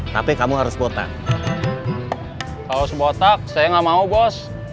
kalau sebotak saya gak mau bos